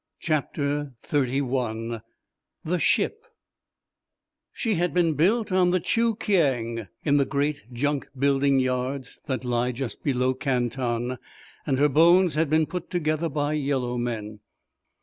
CHAPTER XXXI THE SHIP She had been built on the Chu Kiang in the great Junk building yards that lie just below Canton and her bones had been put together by yellow men.